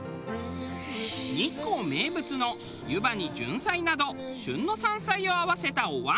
日光名物の湯波にジュンサイなど旬の山菜を合わせたお椀。